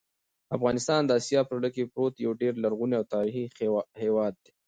افغانستان د اسیا په زړه کې پروت یو ډېر لرغونی او تاریخي هېواد دی.